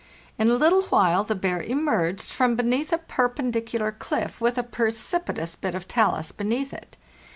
In a little while the bear emerged from beneath a perpendicular cliff with a precipitous bit of talus beneath it.